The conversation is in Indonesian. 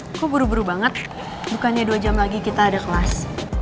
mau kemana kok buru buru banget bukannya dua jam lagi kita ada kelas